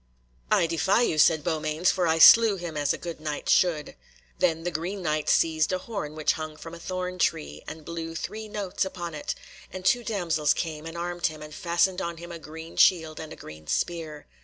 "I defy you," said Beaumains, "for I slew him as a good Knight should." Then the Green Knight seized a horn which hung from a thorn tree, and blew three notes upon it, and two damsels came and armed him, and fastened on him a green shield and a green spear.